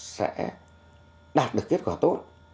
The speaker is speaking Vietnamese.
sẽ đạt được kết quả tốt